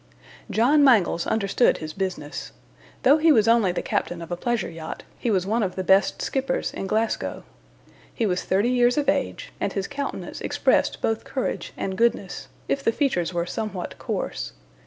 John Mangles understood his business. Though he was only the captain of a pleasure yacht, he was one of the best skippers in Glasgow. He was thirty years of age, and his countenance expressed both courage and goodness, if the features were somewhat coarse.